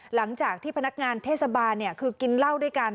หลังจากที่พนักงานเทศบาลคือกินเหล้าด้วยกัน